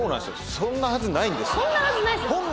そんなはずないんですよ。